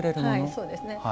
はいそうですね。